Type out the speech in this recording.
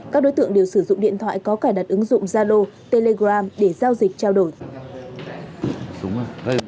các đối tượng đều sử dụng điện thoại có cài đặt ứng dụng zalo telegram để giao dịch trao đổi